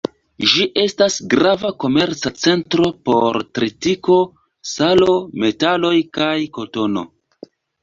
Ĝi estas grava komerca centro por tritiko, salo, metaloj kaj kotono.